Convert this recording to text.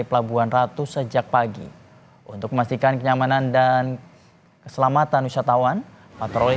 pelabuhan ratu sejak pagi untuk memastikan kenyamanan dan keselamatan wisatawan patroli